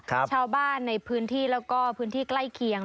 ชาวบ้านในพื้นที่แล้วก็พื้นที่ใกล้เคียง